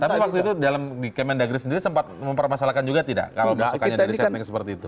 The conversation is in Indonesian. tapi waktu itu dalam di kemendagri sendiri sempat mempermasalahkan juga tidak kalau masukannya dari setnek seperti itu